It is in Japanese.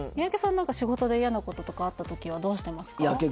何か仕事で嫌なこととかあった時はどうしてますか？